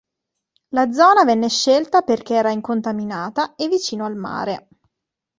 La zona venne scelta perché era incontaminata e vicino al mare.